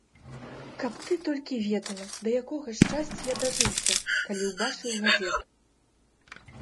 Каб ты толькі ведала, да якога шчасця я дажыўся, калі ўбачыў газету.